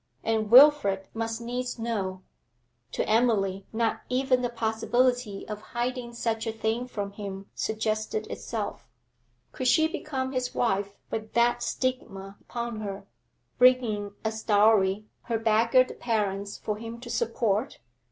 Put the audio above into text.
And Wilfrid must needs know; to Emily not even the possibility of hiding such a thing from him suggested itself. Could she become his wife with that stigma upon her, bringing as dowry her beggared parents for him to support?